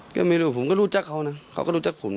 ก็ไม่รู้ผมก็รู้จักเขานะเขาก็รู้จักผม